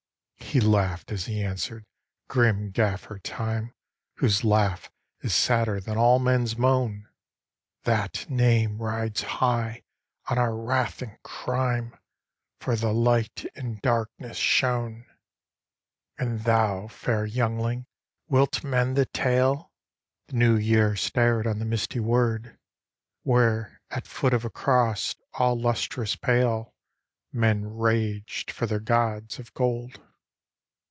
" He laughed as he answered, grim Gaffer Time, Whose laugh is sadder than all men s moan. " That name rides high on our wrath and crime, For the Light in darkness shone. " And thou, fair youngling, wilt mend the tale? " The New Year stared on the misty wold, Where at foot of a cross all lustrous pale Men raged for their gods of gold.